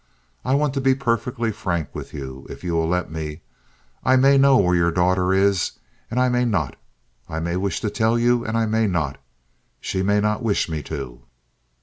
"I want to be perfectly frank with you, if you will let me. I may know where your daughter is, and I may not. I may wish to tell you, and I may not. She may not wish me to.